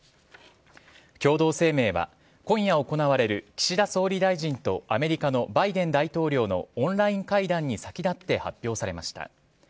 共同声明は今夜行われる岸田総理大臣とアメリカのバイデン大統領のオンライン会談に先立って発表されました。